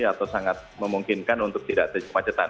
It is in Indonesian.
atau sangat memungkinkan untuk tidak terjadi kemacetan